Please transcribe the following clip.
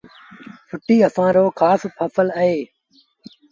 ڦُٽيٚ اسآݩ رو کآس ڦسل اهي